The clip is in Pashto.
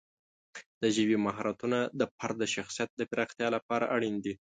د ژبې مهارتونه د فرد د شخصیت پراختیا لپاره اړین دي.